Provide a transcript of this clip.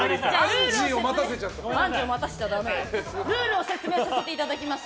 ルールを説明させていただきます。